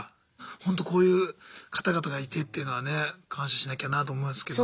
ほんとこういう方々がいてっていうのはね感謝しなきゃなと思うんですけども。